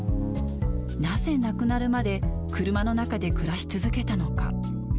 なぜ亡くなるまで車の中で暮らし続けたのか。